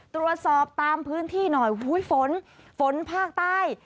ตรวจสอบตามพื้นที่หน่อยอุ้ยฝนฝนภาคใต้